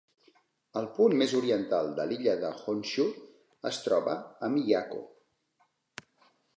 El punt més oriental de l'illa de Honshu es troba a Miyako.